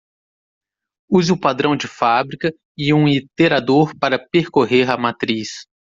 Use o padrão de fábrica e um iterador para percorrer a matriz.